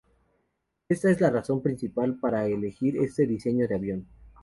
Esta es la razón principal para elegir este diseño de avión.